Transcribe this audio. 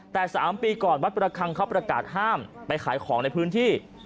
แต่๓ปีก่อนวัดประคังเขาประกาศห้ามไปขายของในพื้นที่